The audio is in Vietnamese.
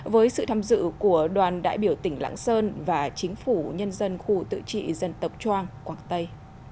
với sự tham dự của đoàn đại biểu tỉnh lãng sơn và chính phủ nhân dân khu tự trị dân tộc trang quảng tây